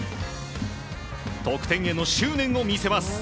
得点への執念を見せます。